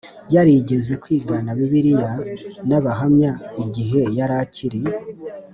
yarigeze kwigana Bibiliya n Abahamya igihe yari akiri